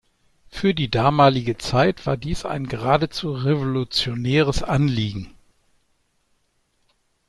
Für die damalige Zeit war dies ein geradezu revolutionäres Anliegen.